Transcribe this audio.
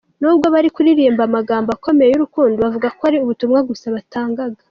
Nubwo bari kuririmba amagambo akomeye y’urukundo, bavuga ko ari ubutumwa gusa batangaga.